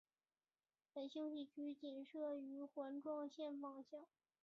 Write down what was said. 本休息区仅设于环状线方向。